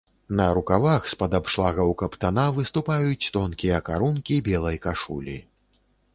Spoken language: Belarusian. На рукавах з-пад абшлагаў каптана выступаюць тонкія карункі белай кашулі.